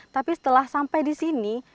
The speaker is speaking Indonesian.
tapi setelah sampai di sini